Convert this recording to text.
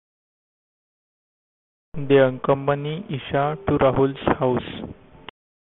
They accompany Esha to Rahul's house.